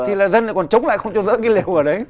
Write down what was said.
thì là dân còn chống lại không cho rỡ cái liều ở đấy